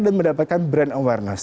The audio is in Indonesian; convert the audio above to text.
dan mendapatkan brand awareness